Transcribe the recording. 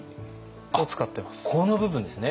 この部分ですね。